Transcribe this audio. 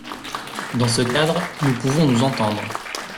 Dans ce cadre, nous pouvons nous entendre.